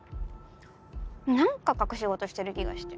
何か隠し事してる気がして。